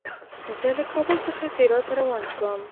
زه له کابل څخه تیراه ته روان شوم.